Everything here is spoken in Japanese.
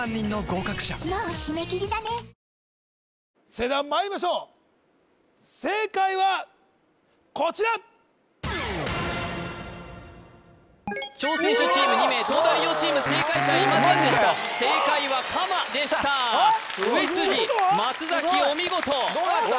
それではまいりましょう正解はこちら挑戦者チーム２名東大王チーム正解者いませんでした正解は鎌でした上辻松お見事ということは・どうなった？